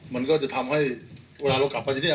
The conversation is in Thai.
มันก็จะทำให้เวลาเรากลับไปที่นี่